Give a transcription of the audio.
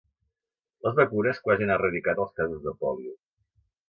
Les vacunes quasi han eradicat els casos de pòlio.